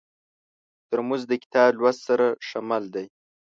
ترموز د کتاب لوست سره ښه مل دی.